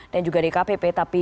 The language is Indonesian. dan juga dkpp tapi